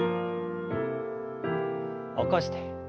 起こして。